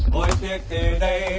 mỗi tiếc thề đây